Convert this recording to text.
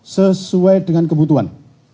sesuai dengan kebutuhan